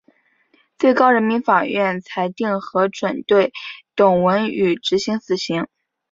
最高人民法院裁定核准对董文语执行死刑。